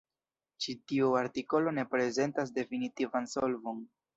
Ĉi tiu artikolo ne prezentas definitivan solvon.